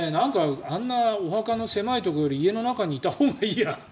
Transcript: あんなお墓の狭いところより家の中にいたほうがいいや。